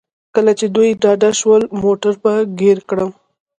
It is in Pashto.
کله چې دوی ډاډه شول موټر به ګیر کړم.